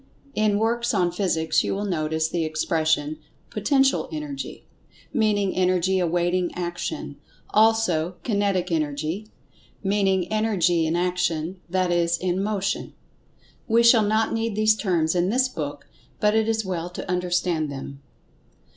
In works on Physics you will notice the expression, "Potential Energy," meaning Energy awaiting action; also "Kinetic Energy," meaning Energy in Action; that is, in Motion. We shall not need these terms in this book, but it is well to understand them.